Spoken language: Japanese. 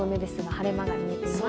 晴れ間が出ています。